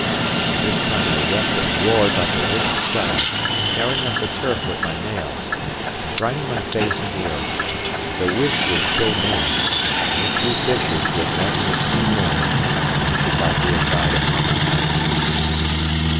But this time I wept and roared like a wicked child, tearing up the turf with my nails, and grinding my face in the earth. If a wish would kill men, those two fishers would never have seen morning, and I should likely have died upon my island.